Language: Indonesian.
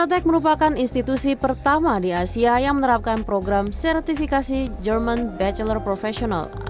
astra tech merupakan institusi pertama di asia yang menerapkan program sertifikasi german bachelor professional atau mester